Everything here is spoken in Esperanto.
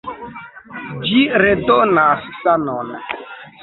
Ĝi redonas sanon!